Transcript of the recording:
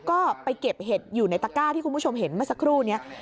ก็ไปเก็บเห็ดอยู่ในตะก้าที่คุณผู้ชมเห็นเมื่อสักครู่นี้